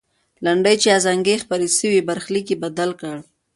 لنډۍ چې ازانګې یې خپرې سوې، برخلیک یې بدل کړ.